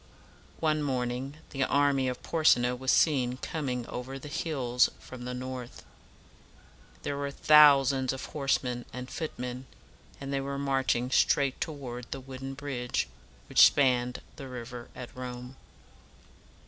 One morning the army of Por se na was seen coming over the hills from the north. There were thousands of horsemen and footmen, and they were marching straight toward the wooden bridge which spanned the river at Rome.